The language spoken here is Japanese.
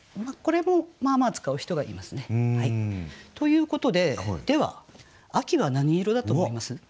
これもまあまあ使う人がいますね。ということででは秋は何色だと思います？